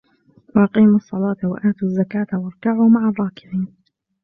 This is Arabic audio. وَأَقِيمُوا الصَّلَاةَ وَآتُوا الزَّكَاةَ وَارْكَعُوا مَعَ الرَّاكِعِينَ